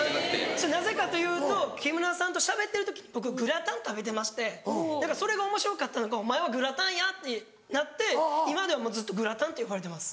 ・それなぜかというと木村さんとしゃべってる時に僕グラタン食べてまして何かそれがおもしろかったのか「お前はグラタンや」ってなって今ではもうずっとグラタンって呼ばれてます。